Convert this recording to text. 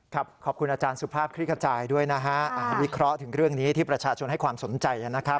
ขอบคุณอาจารย์สุภาพคลิกกระจายด้วยนะฮะวิเคราะห์ถึงเรื่องนี้ที่ประชาชนให้ความสนใจนะครับ